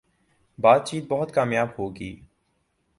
باتچیت بہت کامیاب ہو گی